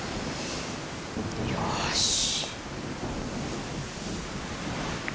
よし。